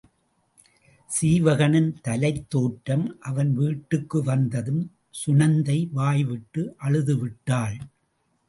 சீவகனின் தலைத் தோற்றம் அவன் வீட்டுக்கு வந்ததும் சுநந்தை வாய்விட்டு அழுதுவிட்டாள்.